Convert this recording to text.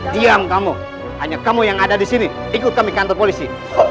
diam kamu hanya kamu yang ada di sini ikut kami kantor polisi